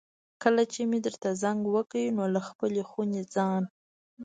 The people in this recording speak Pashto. کله مې درته زنګ وکړ نو له خپلې خونې ځان.